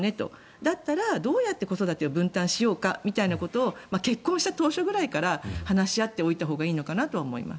だったらどうやって子育てを分担しようかみたいなところを結婚した当初くらいから話し合っておいたほうがいいのかなと思います。